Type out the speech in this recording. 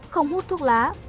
không hút thuốc lá